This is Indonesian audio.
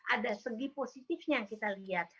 ada segi positifnya yang kita lihat